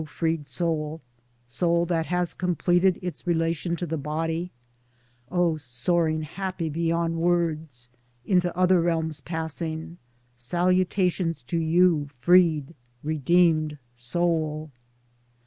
0 freed soul ! soul that has completed its relation to the body ! O soaring, happy beyond words, into other realms passing, salutations to you, freed, redeemed soul